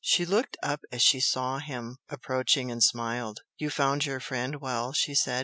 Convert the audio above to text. She looked up as she saw him approaching and smiled. "You found your friend well?" she said.